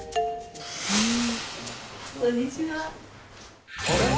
こんにちは。